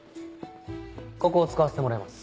ここを使わせてもらいます。